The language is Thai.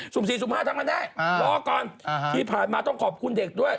๔สุ่มห้าทำกันได้รอก่อนที่ผ่านมาต้องขอบคุณเด็กด้วย